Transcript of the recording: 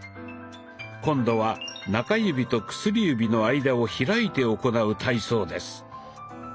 今度は中指と薬指の間を開いて行う体操です。